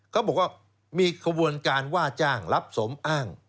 เขาบอกว่ามีขบวนการว่าจ้างรับสมอ้าง